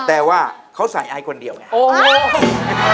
แต่ว่าเขาใส่ไอซ์คนเดียวไง